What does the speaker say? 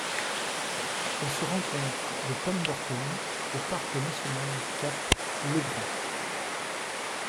Elle se rencontre de Pemberton au parc national du cap Le Grand.